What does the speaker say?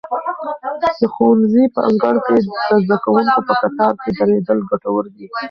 د ښوونځي په انګړ کې د زده کوونکو په کتار کې درېدل ګټور دي.